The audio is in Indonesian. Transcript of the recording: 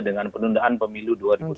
dengan penundaan pemilu dua ribu empat